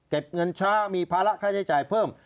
เงินช้ามีภาระค่าใช้จ่ายเพิ่ม